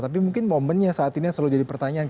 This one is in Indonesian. tapi mungkin momennya saat ini yang selalu jadi pertanyaan